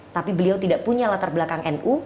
tapi beliau tidak punya latar belakang nu